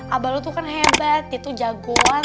abah lo tuh kan hebat dia tuh jagoan